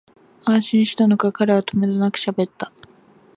安心したのか、彼はとめどなくしゃべった